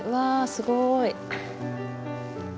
すごーい